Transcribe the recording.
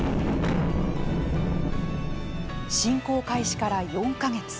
侵攻開始から４か月。